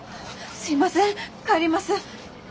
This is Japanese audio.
すいません帰ります。